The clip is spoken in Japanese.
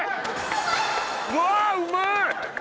うわうまい！